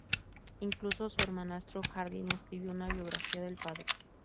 Incluso su hermanastro Hardin escribió una biografía del padre.